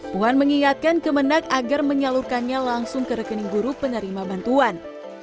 puan mengingatkan kemenang agar menyalurkannya langsung ke rekening guru penerima bantuan